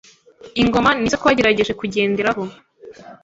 Ingoma nizo twagerageje kugenderaho,